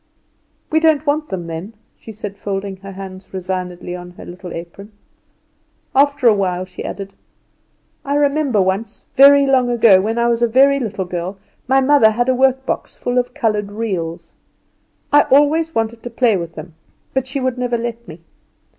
We don't want them then," she said, folding their hands resignedly on her little apron. After a while she added: "I remember once, very long ago, when I was a very little girl, my mother had a workbox full of coloured reels. I always wanted to play with them, but she would never let me.